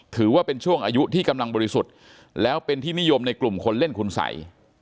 ถือว่าเป็นช่วงอายุที่กำลังบริสุทธิ์แล้วเป็นที่นิยมในกลุ่มคนเล่นคุณสัย